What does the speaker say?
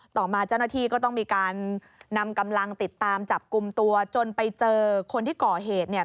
ต่อมาเจ้าหน้าที่ก็ต้องมีการนำกำลังติดตามจับกลุ่มตัวจนไปเจอคนที่ก่อเหตุเนี่ย